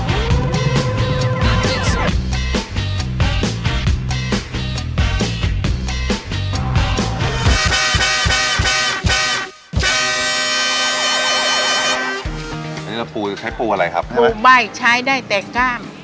อันนี้เราปูใช้ปูอะไรครับปูใบ้ใช้ได้แต่กล้าม